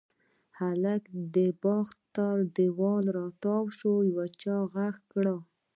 هلک د باغ تر دېواله را تاو شو، يو چا غږ کړل: